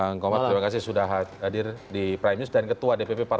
nggak harus ada mikrofon